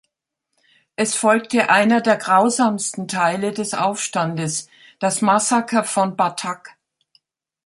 Es folgte einer der grausamsten Teile des Aufstandes: Das Massaker von Batak.